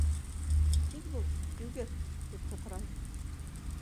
Тиҙ бул, йүгер! — тип һуҡранды.